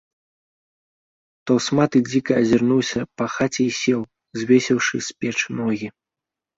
Таўсматы дзіка азірнуўся па хаце і сеў, звесіўшы з печы ногі.